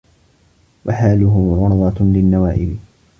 وَحَالُهُ عُرْضَةً لِلنَّوَائِبِ